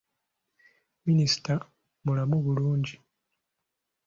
Minisita mulamu bulungi.